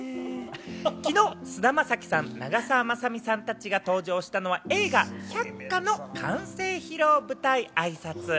昨日、菅田将暉さん、長澤まさみさんたちが登場したのは映画『百花』の完成披露舞台挨拶。